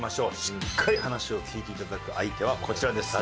しっかり話を聞いて頂く相手はこちらです。